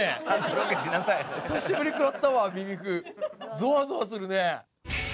ゾワゾワするね。